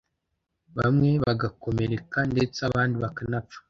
bamwe bagakomereka ndetse abandi bakanapfa.